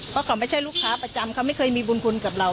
เพราะเขาไม่ใช่ลูกค้าประจำเขาไม่เคยมีบุญคุณกับเรา